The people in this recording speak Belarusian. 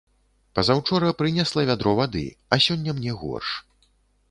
Пазаўчора прынесла вядро вады, а сёння мне горш.